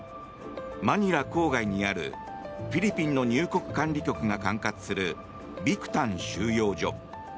マニラ郊外にあるフィリピンの入国管理局が管轄するビクタン収容所。